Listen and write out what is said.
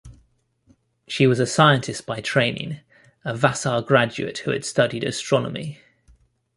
She was a scientist by training, a Vassar graduate who had studied astronomy.